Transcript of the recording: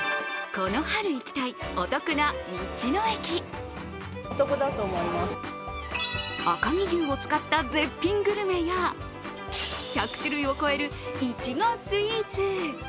この春、行きたいお得な道の駅赤城牛を使った絶品グルメや１００種類を超えるいちごスイーツ。